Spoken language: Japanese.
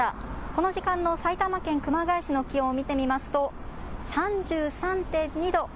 この時間の埼玉県熊谷市の気温を見てみますと３３．２度。